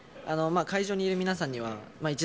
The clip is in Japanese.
会場にいる皆さんには。